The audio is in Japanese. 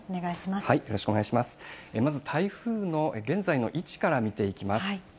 まず台風の現在の位置から見ていきます。